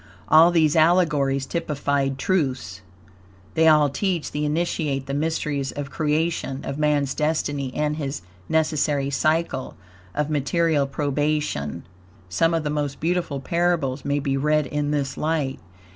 All these allegories typified TRUTHS. They all teach the Initiate the mysteries of creation, of man's destiny and his necessary Cycle of Material Probation. Some of the most beautiful parables may be read in this light.